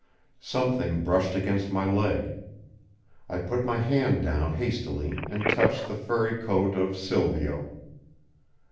Something brushed against my leg. I put my hand down hastily and touched the furry coat of Silvio.